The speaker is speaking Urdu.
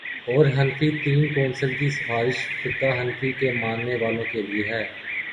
اورحنفی تین کونسل کی سفارش فقہ حنفی کے ماننے والوں کے لیے ہے۔